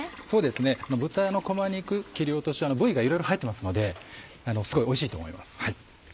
そうですね豚のこま肉切り落としは部位がいろいろ入ってますのですごいおいしいと思います。